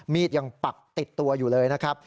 มีดยังปักติดตัวอยู่เลยนะครับ